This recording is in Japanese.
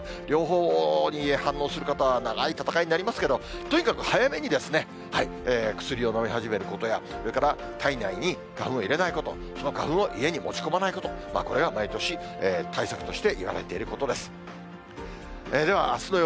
両方に反応する方は長い闘いになりますけど、とにかく早めにですね、薬を飲み始めることや、それから、体内に花粉を入れないこと、その花粉を家に持ち込まないこと、これが毎年、対策としていわれていることです。